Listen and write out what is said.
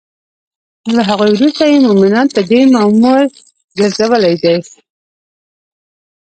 له هغوی وروسته یی مومنان په دی مامور ګرځولی دی